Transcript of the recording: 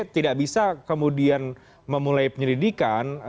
tidak bisa kemudian memulai penyelidikan